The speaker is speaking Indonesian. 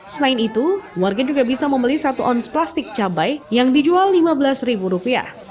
selain itu warga juga bisa membeli satu ons plastik cabai yang dijual rp lima belas